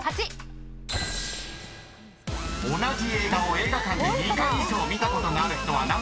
［同じ映画を映画館で２回以上見たことがある人は何％か？］